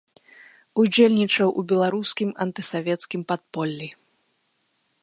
Удзельнічаў у беларускім антысавецкім падполлі.